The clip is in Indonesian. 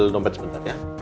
nonton sebentar ya